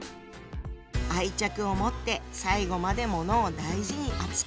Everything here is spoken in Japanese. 愛着を持って最後まで物を大事に扱う。